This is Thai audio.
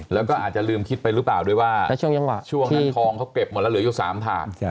แล้วก็อาจจะลืมคิดไปหรือเปล่าด้วยว่าช่วงจังหวะช่วงนั้นทองเขาเก็บหมดแล้วเหลืออยู่๓ถาด